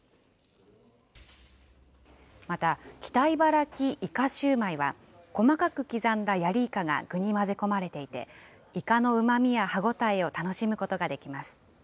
また、北茨城いかシューマイは、細かく刻んだヤリイカが具に混ぜ込まれていて、いかのうまみや歯応えを楽しむことができます。